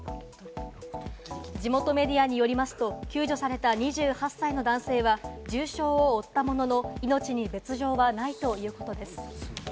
地元メディアによりますと、救助された２８歳の男性は重傷を負ったものの、命に別条はないということです。